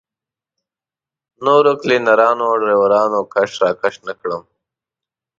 نورو کلینرانو او ډریورانو کش راکش نه کړم.